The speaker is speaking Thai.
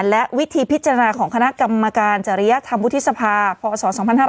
และวิธีพิจารณาของคณะกรรมการจริยธรรมวุฒิสภาพศ๒๕๕๘